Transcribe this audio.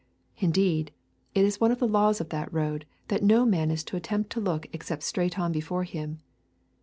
Indeed, it is one of the laws of that road that no man is to attempt to look except straight on before him.